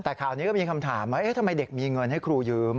แต่ข่าวนี้ก็มีคำถามว่าทำไมเด็กมีเงินให้ครูยืม